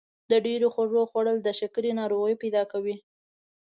د ډېرو خوږو خوړل د شکر ناروغي پیدا کوي.